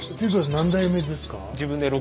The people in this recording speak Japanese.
何代目ですか？